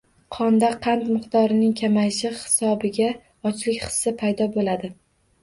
Qonda qand miqdorining kamayishi hisobiga ochlik hissi paydo boʻladi.